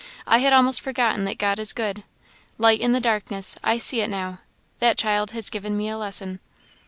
I had almost forgotten that God is good. 'Light in the darkness,' I see it now. That child has given me a lesson."